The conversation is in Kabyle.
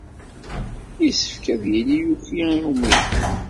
Yessefk ad yili yuki i umihi.